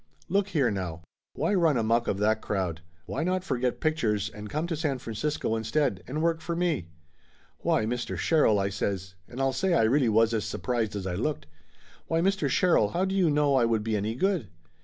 Look here, now ! Why run amuck of that crowd? Why not forget pictures and come to San Francisco instead, and work for me?" "Why, Mr. Sherrill!" I says, and I'll say I really was as surprised as I looked. "Why, Mr. Sherrill, how do you know I would be any good?"